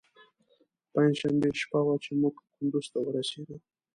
پنجشنبې شپه وه چې موږ کندوز ته ورسېدو.